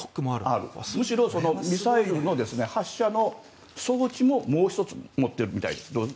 むしろミサイルの発射の装置ももう１つ持ってるみたいです。